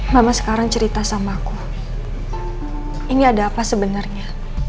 mama sekarang cerita sama aku ini ada apa sebenarnya